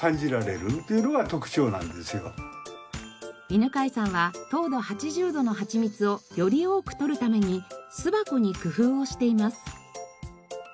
犬飼さんは糖度８０度のはちみつをより多く採るために巣箱に工夫をしています。